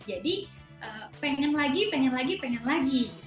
jadi pengen lagi pengen lagi pengen lagi